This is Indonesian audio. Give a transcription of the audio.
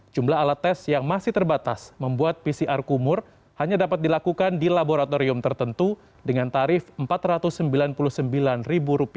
jumlah alat tes yang masih terbatas membuat pcr kumur hanya dapat dilakukan di laboratorium tertentu dengan tarif rp empat ratus sembilan puluh sembilan